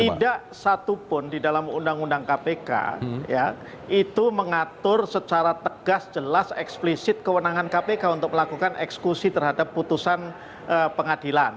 tidak satupun di dalam undang undang kpk itu mengatur secara tegas jelas eksplisit kewenangan kpk untuk melakukan eksekusi terhadap putusan pengadilan